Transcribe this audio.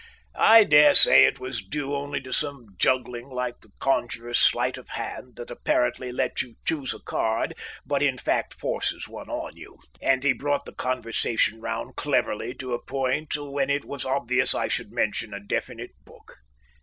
I daresay it was due only to some juggling, like the conjuror's sleight of hand that apparently lets you choose a card, but in fact forces one on you; and he brought the conversation round cleverly to a point when it was obvious I should mention a definite book.